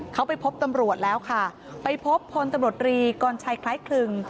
เขาไปพบตำรวจแล้วค่ะไปพบพลตำรวจรีกรชัยคล้ายคลึง